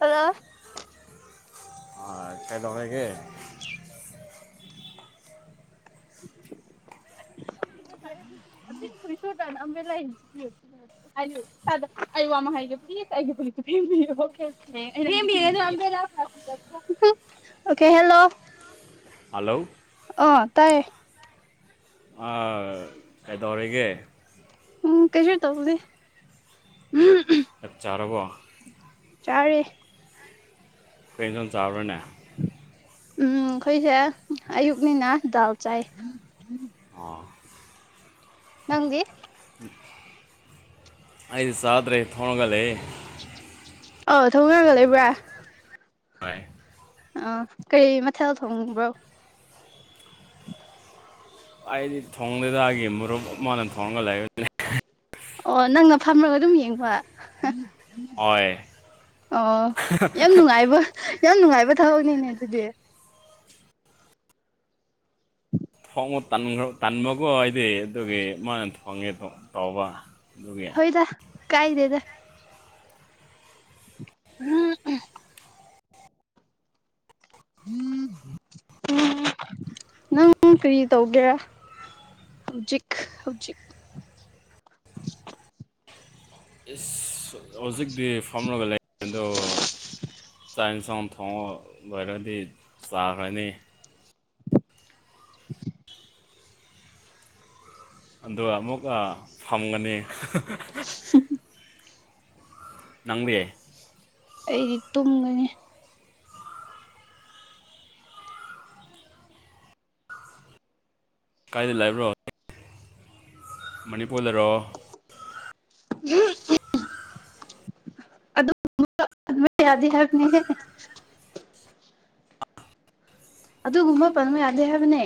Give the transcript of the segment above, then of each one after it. hello ꯑꯥ ꯀꯩꯗꯧꯔꯒꯦ [inaudible] [unintelligible] [inaudible] ꯍꯥꯏꯌꯨ ꯑꯩ ꯋꯥꯃ ꯍꯥꯏꯒꯦ ꯄꯨꯂꯤꯁ ꯑꯩꯒꯤ ꯄꯨꯂꯤꯁꯇ ꯐꯦꯡꯕꯤꯌꯨ [unintelligible] [unintelligible] ꯑꯣꯀꯦ ꯍꯦꯜꯂꯣ ꯍꯂꯣ ꯑꯥ ꯇꯥꯏꯌꯦ ꯥ ꯀꯩꯗꯧꯔꯒꯦ ꯎꯝ ꯀꯩꯁꯨ ꯇꯧꯕꯅꯦꯦ ꯆꯞ ꯆꯥꯔꯕ ꯆꯔꯦ ꯀꯩꯇꯝ ꯆꯥꯎꯔꯅꯦ ꯎꯝ ꯑꯩꯈꯣꯏꯁꯦ ꯑꯌꯨꯛꯅꯤꯅ ꯗꯥꯜ ꯆꯥꯏ ꯑꯣ ꯅꯪꯗꯤ ꯑꯩ ꯁꯥꯗ꯭ꯔꯦ ꯊꯉꯒꯂꯦ ꯑꯧ ꯊꯧꯒꯔꯒ ꯂꯩꯕ꯭ꯔꯥ ꯍꯣꯏ ꯑ ꯀꯔꯤ ꯃꯊꯦꯜ ꯊꯣꯡꯕ꯭ꯔꯣ [unintelligible] ꯑꯩꯗꯤ ꯊꯣꯡꯗꯦꯗꯒꯤ ꯃꯔꯨꯞ ꯃꯥꯅ ꯊꯣꯡꯉꯒ ꯂꯩꯥꯛ ꯑꯣ ꯅꯪꯅ ꯐꯝꯃꯒ ꯑꯗꯨꯝ ꯌꯦꯡꯕ ꯍꯣꯏ ꯑꯣ ꯌꯥꯝ ꯅꯨꯡꯉꯥꯏꯕ ꯌꯥꯝ ꯅꯨꯡꯉꯥꯏꯕ ꯊꯕꯛꯅꯤꯅꯦ ꯑꯗꯨꯗꯤ ꯣꯡꯕꯈ ꯇꯟꯕꯒꯣ ꯑꯩꯗꯤ ꯑꯗꯨꯒꯤ ꯃꯥꯅ ꯊꯣꯡꯉꯦ ꯇꯧꯕ ꯑꯗꯨꯒꯤ ꯑꯣꯏꯣꯏꯗ ꯀꯥꯏꯗꯦꯗ ꯎꯝ ꯎꯝ ꯅꯪ ꯀꯔꯤ ꯇꯧꯒꯦꯔ ꯍꯧꯖꯤꯛ ꯍꯧꯖꯤꯛ ꯏꯁ ꯍꯧꯖꯤꯛꯇꯤ ꯐꯝꯂꯒ ꯂꯩ ꯑꯗꯣ ꯆꯥꯛꯟꯁꯥꯎ ꯊꯣꯡꯉ ꯑꯣꯏꯔꯗꯤ ꯆꯥꯒꯅꯤ [unintelligible] ꯑꯗꯨꯒ ꯑꯃꯨꯛ ꯐꯪꯒꯅꯤ ꯎꯝ ꯅꯪꯗ ꯑꯩꯗꯤ ꯇꯨꯝꯒꯅꯤ ꯀꯥꯏꯗ ꯂꯩꯕ꯭ꯔꯣ ꯃꯅꯤꯄꯨꯔ ꯂꯩꯔꯣ ꯎ ꯑꯗꯨ ꯑꯗꯨ ꯌꯥꯗꯦ ꯍꯥꯏꯕꯅꯤ ꯑꯗꯨꯒꯨꯝꯕ ꯐꯟꯨ ꯌꯥꯗꯦ ꯍꯥꯏꯕꯅꯦ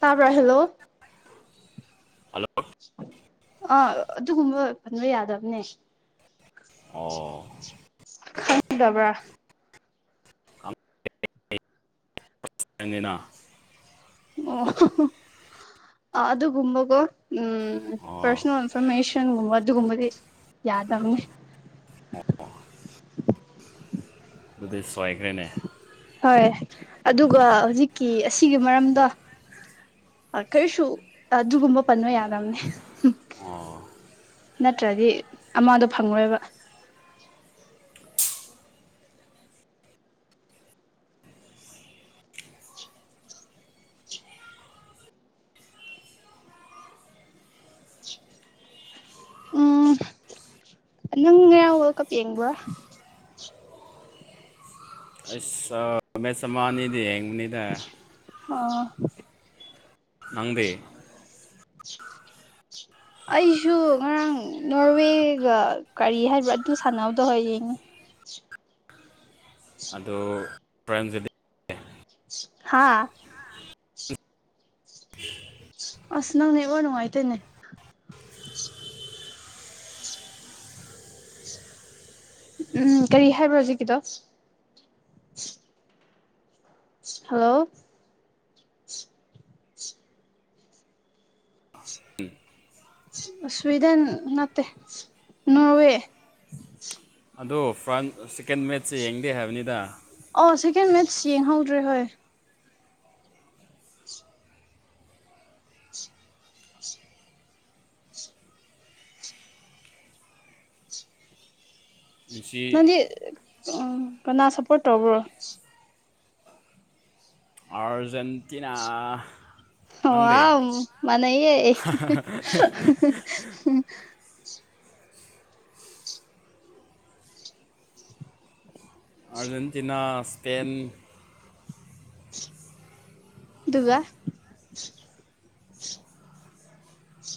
ꯇꯥꯄꯥ ꯍꯦꯜꯂꯣ ꯍꯜꯂꯣ ꯑꯥ ꯑꯗꯨꯒꯨꯝꯕ ꯐꯟꯕ ꯌꯥꯗꯕꯅꯦ ꯑꯣ ꯈꯪꯗꯕ꯭ꯔ ꯆꯅ ꯑꯣ ꯑꯗꯨꯒꯃꯒꯣ ꯎꯝ ꯑꯣ ꯄꯔꯁꯣꯅꯦꯜ ꯏꯟꯐꯣꯔꯃꯦꯁꯟꯒꯨꯝꯕ ꯑꯗꯨꯒꯨꯝꯕꯗꯤ ꯌꯥꯗꯕꯅꯤ ꯑꯗꯨꯗ ꯁ꯭ꯋꯥꯏꯈ꯭ꯔꯦꯅꯦ ꯍꯣꯏ ꯑꯗꯨꯒ ꯍꯧꯖꯤꯛꯀꯤ ꯑꯁꯤꯒꯤ ꯃꯔꯝꯗꯣ ꯀꯔꯤꯁꯨ ꯑꯗꯨꯒꯨꯝꯕ ꯄꯟꯕ ꯌꯥꯗꯕꯅꯦ ꯅꯠꯇ꯭ꯔꯗꯤ ꯑꯃꯗꯣ ꯐꯪꯉꯣꯏꯕ ꯎꯝ ꯅꯪ ꯉꯔ ꯋꯥꯔꯜ ꯀꯞ ꯌꯦꯡꯕ꯭ꯔ ꯃ ꯁꯃꯥꯟꯗꯤꯅꯤ ꯑꯥ ꯅꯪꯗꯦ [inaudible] ꯑꯩꯁꯨ ꯉꯔꯥꯡ ꯅꯣꯔꯋꯦꯒ ꯀꯔꯤ ꯍꯥꯏꯕ꯭ꯔꯥ ꯑꯗꯨ ꯁꯥꯟꯅꯕꯗꯨ ꯌꯦꯡꯉꯤ ꯑꯗꯣ ꯄꯔꯝꯗꯗꯤ ꯍꯥꯥ ꯑꯁ ꯅꯪ ꯅꯦꯋꯥꯛ ꯅꯨꯡꯉꯥꯏꯇꯦꯅꯦ ꯎꯝ ꯀꯔꯤ ꯍꯥꯏꯕ꯭ꯔꯣ ꯍꯧꯖꯤꯛꯀꯤꯗꯣ ꯍꯜꯂꯣ ꯎꯝ ꯁ꯭ꯋꯤꯗꯟ ꯅꯠꯇꯦ ꯅꯣꯔꯋꯦ ꯑꯗꯣ ꯐ꯭ꯔꯟ ꯁꯤꯛꯀꯦꯟ ꯃꯦꯠꯁꯦ ꯌꯦꯡꯗꯦ ꯍꯥꯏꯕꯅꯤꯗ ꯑꯣ ꯁꯦꯀꯦꯟ ꯃꯦꯠꯁ ꯌꯦꯡꯍꯧꯗ꯭ꯔꯦ ꯍꯣꯏ ꯉꯁꯤ ꯅꯪꯗꯤ ꯎꯡ ꯀꯅꯥ ꯁꯞꯄꯣꯔꯠ ꯇꯧꯕ꯭ꯔꯣ ꯑꯥꯔꯖꯦꯟꯇꯤꯅꯥ ꯅꯪꯗꯤ ꯋꯥꯎꯝ ꯃꯥꯅꯩꯌꯦ [unintelligible] ꯑꯥꯔꯖꯦꯟꯇꯤꯅꯥ ꯁ꯭ꯄꯦꯟ ꯑꯗꯨꯒ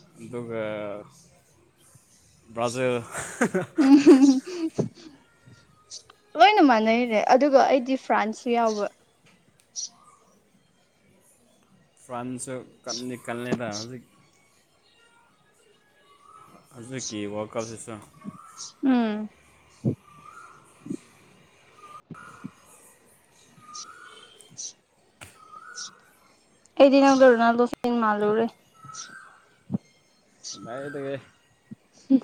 ꯑꯗꯨꯒ ꯑꯗꯨꯒ ꯕ꯭ꯔꯥꯖꯤꯜ ꯎꯝ [unintelligible] ꯂꯣꯏꯅ ꯃꯥꯟꯅꯩꯅꯦ ꯑꯗꯨꯒ ꯑꯩꯗꯤ ꯐ꯭ꯔꯥꯟꯁꯁꯨ ꯌꯥꯎꯕ ꯐ꯭ꯔꯟꯁꯨ ꯀꯂꯤ ꯀꯜꯂꯦꯗ ꯍꯧꯖꯤꯛ ꯍꯧꯖꯤꯛꯀꯤ ꯋꯥꯜꯀꯞꯁꯤꯁꯨ ꯎꯝ [unintelligible] ꯑꯦꯗꯤꯅꯪꯗꯣ ꯔꯣꯅꯥꯜꯗꯣ ꯐꯦꯟ ꯃꯥꯜꯂꯨꯔꯦ ꯀꯥꯏꯗꯨꯗꯒꯤ ꯍꯝ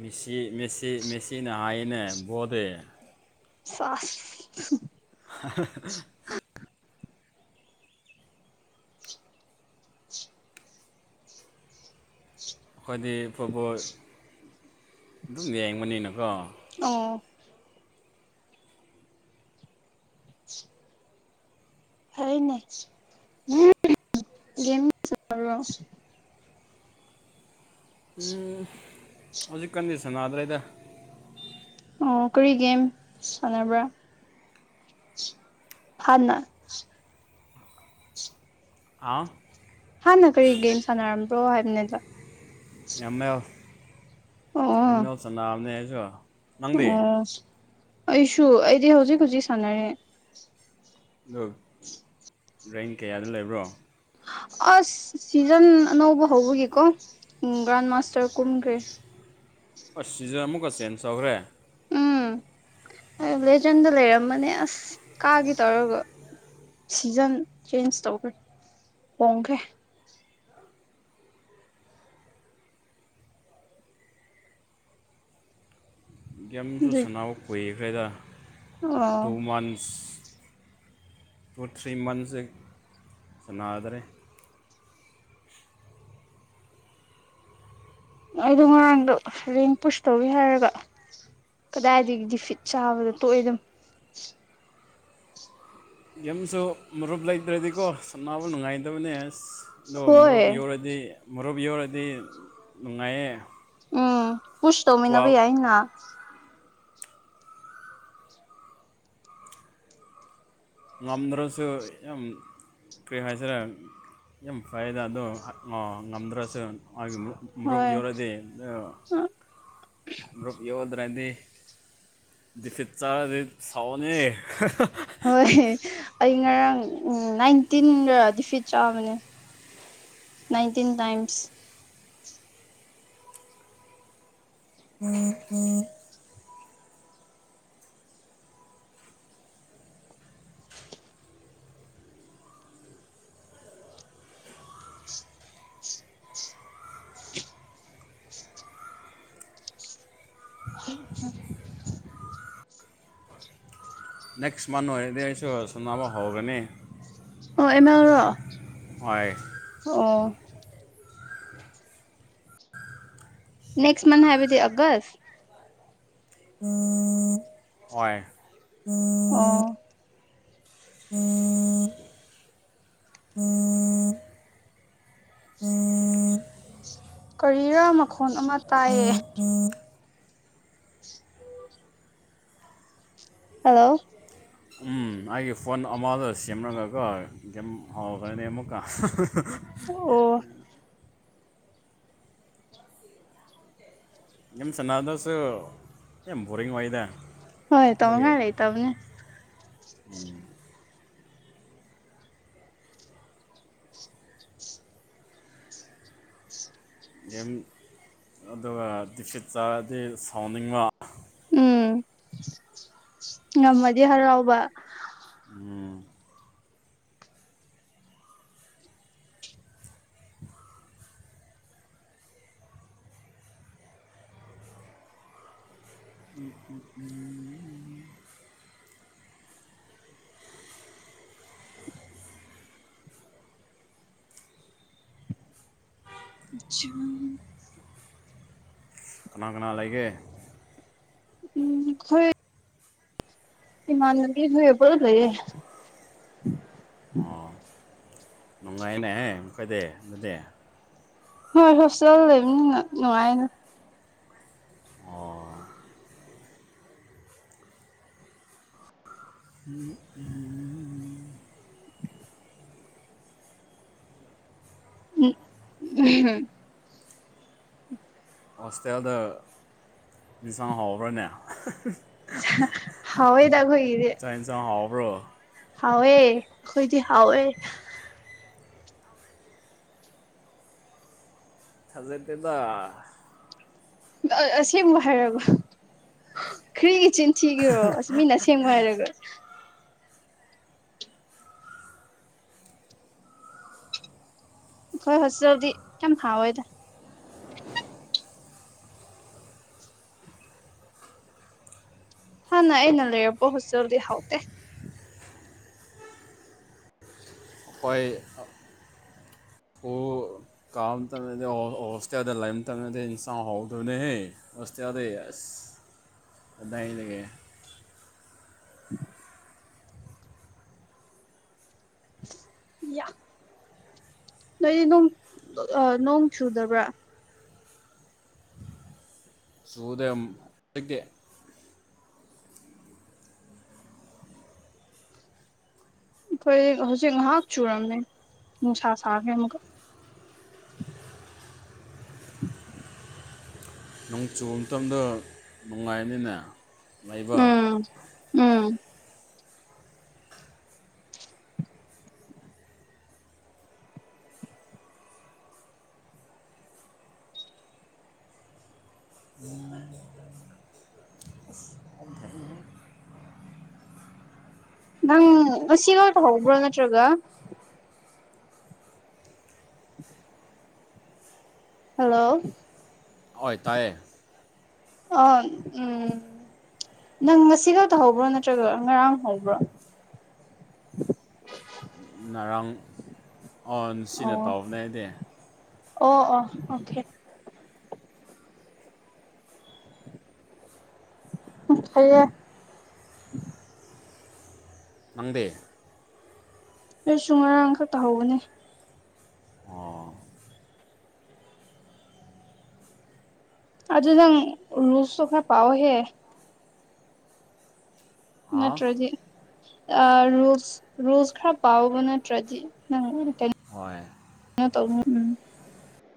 ꯃꯦꯁꯤ ꯃꯦꯁꯤ ꯃꯦꯁꯤꯅ ꯍꯥꯏꯅꯦ ꯕꯣꯗꯦ ꯁꯥꯁ ꯍ ꯍ ꯍ [unintelligible] ꯑꯩꯈꯣꯏꯗꯤ ꯐꯨꯠꯕꯣꯜ ꯑꯗꯨꯝ ꯌꯦꯡꯕꯅꯤꯅꯀꯣ ꯑꯣ ꯐꯩꯅꯦ [inaudible] ꯎ ꯍꯧꯖꯤꯛ ꯀꯟꯗꯤ ꯁꯟꯅꯗꯔꯦꯗ ꯑꯣ ꯀꯔꯤꯒꯦꯝ ꯁꯥꯟꯅꯕ꯭ꯔꯥ ꯍꯥꯟꯅ ꯑꯥ ꯍꯥꯟꯅ ꯀꯔꯤ ꯒꯦꯝ ꯁꯥꯟꯅꯔꯝꯕ꯭ꯔꯣ ꯍꯥꯏꯕ ꯅꯠꯇ꯭ꯔꯥ M L O M O L ꯆꯅꯥꯕꯅꯦ ꯑꯩꯁꯨ ꯅꯪꯗꯤ ꯑꯣ ꯑꯩꯁꯨ ꯑꯩꯗꯤ ꯍꯧꯖꯤꯛ ꯍꯧꯖꯤꯛ ꯁꯥꯟꯅꯔꯦ ꯑꯗꯣ ꯔꯦꯡ ꯀꯌꯥꯗ ꯂꯩꯕ꯭ꯔꯣ ꯑꯁ ꯁꯤꯖꯟ ꯑꯅꯧꯕ ꯍꯧꯕꯒꯤꯀꯣ ꯎꯝ ꯒꯔꯥꯟ ꯃꯥꯁꯇꯔ ꯀꯨꯝꯒꯔꯦ ꯑꯁ ꯁꯤꯖꯔ ꯑꯃꯨꯛꯀ ꯆꯦꯟꯖ ꯇꯧꯈ꯭ꯔꯦ ꯂꯦꯖꯦꯟꯗ ꯂꯩꯔꯝꯕꯅꯦ ꯑꯁ ꯀꯥꯒꯤ ꯇꯧꯔꯔꯕ ꯁꯤꯖꯟ ꯆꯦꯟꯖ ꯇꯧꯈ꯭ꯔꯦ ꯍꯣꯡꯈ꯭ꯔꯦ ꯒꯦꯝꯁꯨꯨ ꯑꯗꯨꯏ ꯁꯥꯟꯅꯕ ꯀꯨꯏꯈ꯭ꯔꯦꯗ ꯑꯣ two months two three months ꯁꯥꯟꯅꯗ꯭ꯔꯦ ꯑꯩꯗꯣ ꯉꯔꯥꯡꯗꯣ ꯔꯦꯡ ꯄꯨꯁ ꯇꯧꯋꯤ ꯍꯥꯏꯔꯒ ꯀꯗꯥꯏꯗꯒꯤꯗꯤ ꯐꯤꯠ ꯆꯥꯕꯗꯣ ꯇꯣꯛꯏ ꯑꯗꯨꯝ ꯌꯥꯝꯁꯨ ꯃꯔꯨꯞ ꯂꯩꯇ꯭ꯔꯗꯤꯀꯣ ꯁꯟꯅꯕ ꯅꯨꯡꯉꯥꯏꯇꯕꯅꯦ ꯑꯁ ꯑꯗ ꯍꯣꯏ ꯃꯨꯞ ꯌꯧꯔꯗꯤ ꯃꯨꯞ ꯌꯧꯔꯗꯤ ꯅꯨꯡꯉꯥꯏꯌꯦ ꯎꯝ ꯄꯨꯁ ꯄꯨꯋꯥ ꯇꯧꯃꯤꯅꯚꯩꯌꯥꯏꯅ ꯉꯗ꯭ꯔꯁꯨ ꯀꯔꯤ ꯍꯥꯏꯁꯤꯔ ꯌꯥꯝ ꯐꯩꯗ ꯑꯗꯣ ꯑ ꯉꯝꯗ꯭ꯔꯁꯨ ꯍꯥꯏꯒꯅꯨ ꯃꯔꯨꯞ ꯍꯣꯏ ꯌꯧꯂꯗꯤ ꯃꯔꯨꯞ ꯌꯧꯑꯗ꯭ꯔꯗꯤ ꯗꯤꯐꯤꯠ ꯆꯥꯔꯗꯤ ꯁꯥꯎꯑꯣꯅꯦ ꯍꯣꯏ ꯑꯩ ꯉꯔꯥꯡ ꯅꯥꯏꯟꯇꯤꯟꯔ ꯗꯤꯐꯤꯠ ꯆꯥꯕꯅꯦ ꯅꯥꯟꯇꯤꯟ ꯇꯥꯏꯝꯁ ꯎ ꯎ ꯅꯦꯛꯁ ꯃꯟ ꯑꯣꯏꯔꯗꯤ ꯑꯩꯁꯨꯁ ꯑꯃ ꯍꯧꯒꯅꯤ ꯑꯣ ꯑꯦꯅꯥꯔꯣ ꯍ꯭ꯋꯥꯏ ꯑꯣ ꯅꯦꯛꯁ ꯃꯟ ꯍꯥꯏꯕꯗꯤ ꯑꯒꯁ ꯑ ꯑꯣꯏ ꯑꯣꯥ ꯎꯝ ꯀꯔꯤꯌꯔ ꯃꯈꯣꯟ ꯑꯃ ꯇꯥꯏꯌꯦ ꯎꯝ ꯍꯜꯂꯣ ꯎꯝ ꯑꯩꯒꯤ ꯐꯣꯟ ꯑꯃꯗ ꯁꯦꯝꯔꯒꯀꯣ ꯦꯝ ꯍꯥꯎꯈ꯭ꯔꯅꯦ ꯑꯃꯨꯛꯀ ꯑꯣ ꯌꯦꯦꯝ ꯁꯅꯥꯗꯁꯨ ꯕꯣꯔꯤꯡ ꯑꯣꯏꯗꯦ ꯍꯣꯏ ꯇ ꯃꯉꯥꯏ ꯂꯩꯦ ꯇꯧꯅꯦ ꯌꯦꯝ ꯑꯗꯨꯒ ꯗꯤꯐꯤꯠ ꯆꯥꯔꯗꯤ ꯁꯥꯎꯅꯤꯡꯕ ꯎꯝ ꯉꯝꯃꯗꯤ ꯍꯔꯥꯎꯕ ꯎꯝ ꯎ ꯑꯆꯥ ꯀꯅꯥ ꯀꯅꯥ ꯂꯩꯒꯦ ꯊꯣꯏ ꯏꯃꯥꯟꯅꯕꯤ ꯍꫭꯏꯒ ꯄꯨꯂꯞ ꯂꯩꯌꯦ ꯑꯣ ꯅꯨꯡꯉꯥꯏꯅꯦ ꯍ ꯎꯈꯣꯏꯗꯦ ꯑꯗꯨꯗꯦ ꯍꯣꯏ ꯍꯣꯁꯇꯦꯜ ꯂꯩꯕꯅꯤ ꯅꯨꯡꯉꯥꯏꯅ ꯑꯣ ꯎ ꯎꯝ ꯍꯝ ꯍꯣꯁꯇꯦꯜꯗ ꯃꯤꯁꯥꯡ ꯍꯥꯎꯕ꯭ꯔꯥꯅꯦ ꯍꯣꯏꯗꯈꯣꯏ ꯆꯥꯏꯟꯁ ꯍꯥꯎꯕ꯭ꯔꯣ ꯍꯥꯎꯋꯦ ꯈꯣꯏꯗꯤ ꯍꯥꯎꯋꯦ ꯊꯖꯔꯠꯇꯗ ꯑ ꯑꯁꯦꯡꯕ ꯍꯥꯏꯔꯕ ꯈ꯭ꯔꯤꯒꯤ ꯆꯤꯟ ꯊꯤꯒꯤꯔꯣ ꯑꯁ ꯃꯤꯅꯁꯦ ꯑꯁꯦꯡꯕ ꯍꯥꯏꯔꯒ꯭ꯔ ꯍꯣꯏ ꯍꯣꯖꯤꯥꯎꯗꯤ ꯀꯌꯥꯝ ꯍꯥꯎꯋꯦꯗ ꯍꯅ ꯌꯦꯅ ꯂꯩꯕꯁ ꯆꯜꯗꯤ ꯍꯥꯎꯗꯦ ꯍꫭꯏ ꯑ ꯀꯥꯝꯇꯝꯗꯗꯤ ꯍꫭ ꯍꫭꯁꯇꯦꯜꯗ ꯂꯩꯝꯇꯝꯗꯗꯤ ꯏꯟꯁꯥꯡ ꯍꯥꯎꯗꯕꯅꯦꯍꯦ ꯃꯁꯇꯦ ꯑꯗꯩꯗꯥꯏ ꯂꯩꯒꯦ ꯌꯥ ꯅꯣꯏꯗꯤ ꯅ ꯅꯣꯡ ꯆꯨꯗꯕ꯭ꯔꯥ ꯆꯨꯗꯦꯝ ꯍꯨꯖꯤꯛꯇꯤ ꯑꯩꯈꯣꯏ ꯍꯧꯖꯤꯛ ꯉꯥꯏꯍꯥꯛ ꯆꯨꯔꯝꯃꯦ ꯅꯨꯡꯁꯥ ꯁꯥꯈ꯭ꯔꯦ ꯑꯃꯨꯛꯀ ꯅꯣꯡ ꯆꯨꯕ ꯃꯇꯝꯗ ꯅꯨꯡꯉꯥꯏꯅꯤꯅꯦ ꯂꯩꯕ ꯎꯝ ꯎꯝ [unintelligible] [unintelligible] ꯅꯪ ꯉꯁꯤ ꯔꯣꯏ ꯍꯧꯕꯔ ꯅꯠꯇ꯭ꯔꯒ ꯍꯜꯂꯣ ꯍꯣꯏ ꯇꯥꯏꯌꯦ ꯑ ꯎꯝ ꯅꯪ ꯉꯁꯤ ꯈꯛꯇ ꯍꯧꯕ꯭ꯔꯣ ꯅꯠꯇ꯭ꯔꯒ ꯉꯔꯥꯡ ꯍꯧꯕ꯭ꯔꯣ ꯅꯔꯥꯡ ꯑꯣ ꯅꯁꯤꯅ ꯑꯣ ꯇꯧꯕꯅꯦ ꯑꯩꯗꯤ ꯑꯣ ꯑꯣ ꯑꯣꯀꯦ [unintelligible] ꯐꯌꯦꯦ ꯅꯪꯗꯤ ꯑꯩꯁꯨ ꯉꯔꯥꯡ ꯈꯛꯇ ꯍꯧꯕꯅꯤ ꯑꯣ ꯑꯗꯨ ꯅꯪ ꯔꯨꯜꯁ ꯇꯨ ꯈꯔ ꯄꯥꯎꯍꯦ ꯍꯥ ꯅꯠꯇ꯭ꯔꯗꯤ ꯑꯥ ꯔꯨꯜꯁ ꯔꯨꯜꯁ ꯈꯔ ꯄꯥꯎꯕ ꯅꯠꯇ꯭ꯔꯗꯤ ꯅꯪ ꯂꫭꯏꯅ ꯀꯩꯅꫭ ꯍꯣꯏ ꯀꯩꯅꫭ ꯇꯧꯅ ꯎꯝ